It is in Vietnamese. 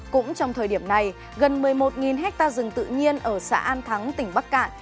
cũng trong thời điểm này gần một mươi một hectare rừng tự nhiên ở xã an thắng tỉnh bắc cạn